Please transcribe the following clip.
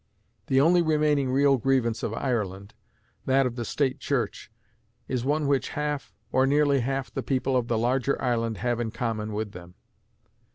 The only remaining real grievance of Ireland, that of the State Church, is one which half, or nearly half the people of the larger island have in common with them.